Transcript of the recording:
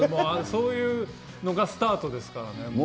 そういうのがスタートですからね。